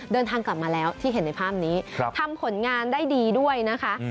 เดินทางกลับมาแล้วที่เห็นในภาพนี้ทำผลงานได้ดีด้วยนะคะ